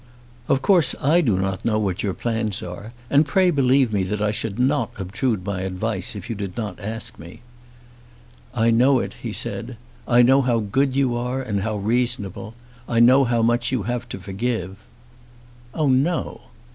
"Of course I do not know what your plans are, and pray believe me that I should not obtrude my advice if you did not ask me." "I know it," he said. "I know how good you are and how reasonable. I know how much you have to forgive." "Oh, no."